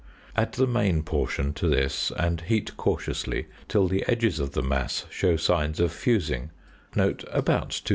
Add the main portion to this, and heat cautiously till the edges of the mass show signs of fusing (about 260°).